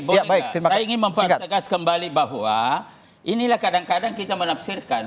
boleh saya ingin mempertegas kembali bahwa inilah kadang kadang kita menafsirkan